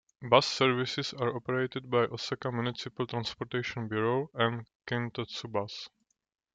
Bus services are operated by Osaka Municipal Transportation Bureau and Kintetsu Bus.